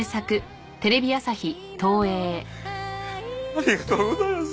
ありがとうございます。